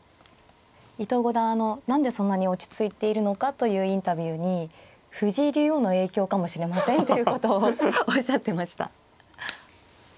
伊藤五段あの何でそんなに落ち着いているのかというインタビューに「藤井竜王の影響かもしれません」ということをおっしゃってました。